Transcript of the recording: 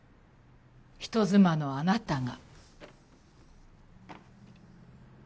人妻のあなたが。